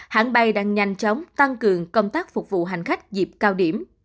hãng bay đang nhanh chóng tăng cường công tác phục vụ hành khách dịp cao điểm